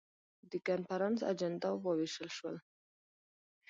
د کنفرانس اجندا وویشل شول.